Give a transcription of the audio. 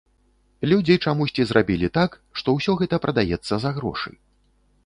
Людзі чамусьці зрабілі так, што ўсё гэта прадаецца за грошы.